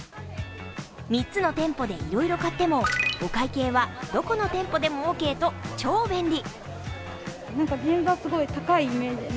３つの店舗でいろいろ買っても、お会計はどこの店舗でもオーケーと超便利。